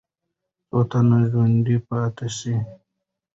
څو تنه ژوندي پاتې سول؟